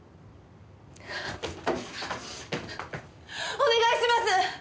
お願いします！